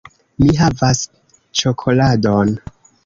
Mi havas ĉokoladon!